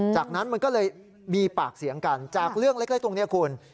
จากนั้นมันก็เลยมีปากเสียงกันจากเรื่องเล็กตรงนี้คุณ